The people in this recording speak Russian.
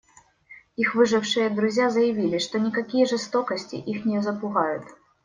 Их выжившие друзья заявили, что никакие жестокости их не запугают.